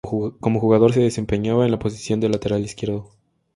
Como jugador, se desempeñaba en la posición de lateral izquierdo.